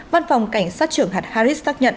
văn phòng cảnh sát trưởng hạt harris xác nhận